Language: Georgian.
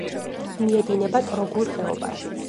მიედინება ტროგულ ხეობაში.